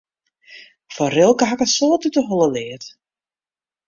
Fan Rilke haw ik in soad út de holle leard.